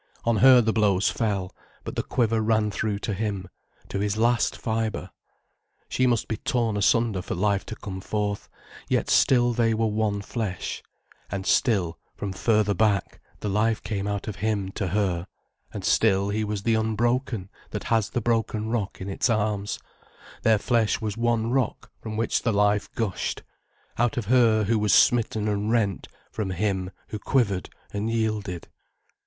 On her the blows fell, but the quiver ran through to him, to his last fibre. She must be torn asunder for life to come forth, yet still they were one flesh, and still, from further back, the life came out of him to her, and still he was the unbroken that has the broken rock in its arms, their flesh was one rock from which the life gushed, out of her who was smitten and rent, from him who quivered and yielded.